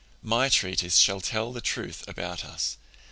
My treatise shall tell the truth about us.